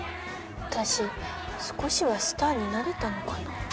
私少しはスターになれたのかな。